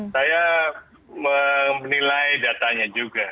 saya menilai datanya juga